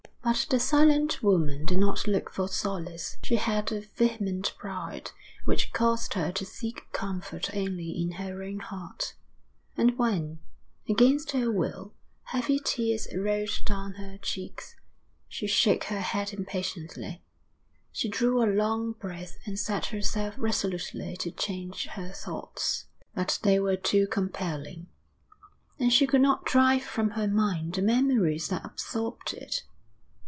But the silent woman did not look for solace. She had a vehement pride which caused her to seek comfort only in her own heart; and when, against her will, heavy tears rolled down her cheeks, she shook her head impatiently. She drew a long breath and set herself resolutely to change her thoughts. But they were too compelling, and she could not drive from her mind the memories that absorbed it.